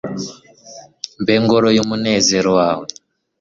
mbe ngoro y'umunezero wawe